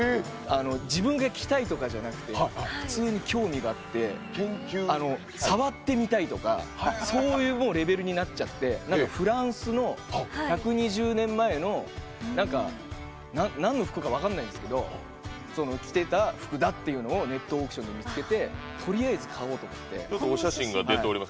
自分が着たいとかじゃなくて普通に興味があって触ってみたいとかそういうレベルになっちゃってフランスの１２０年前のなんの服か分からないんですけど着てた服だっていうのをネットオークションで見つけてとりあえず買おうと思って。